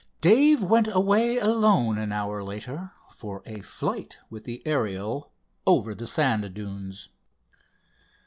Dave went away alone an hour later for a flight with the Ariel over the sand dunes.